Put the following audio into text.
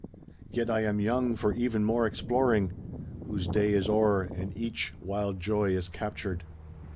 Yet I am young for even more exploring. Whose day is o'er and each wild joy is captured.